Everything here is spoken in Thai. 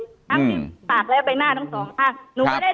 ทั้งทิศปากเลยไปหน้าทั้งสองทั้ง